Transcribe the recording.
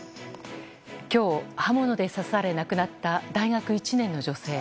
今日、刃物で刺され亡くなった大学１年の女性。